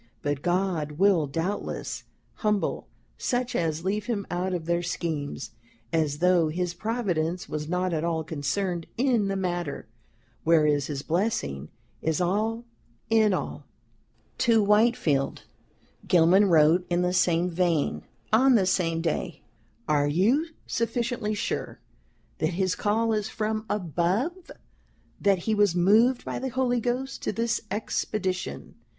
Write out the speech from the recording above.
But God will, doubtless, humble such as leave him out of their Schemes, as though his Providence was not at all concerned in the matter whereas his Blessing is all in all." To Whitefield, Gilman wrote in the same vein, on the same day: "Are you sufficiently sure that his call is from above, that he was moved by the Holy Ghost to this Expedition?